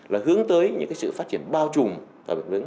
là hướng tới những sự phát triển bao trùm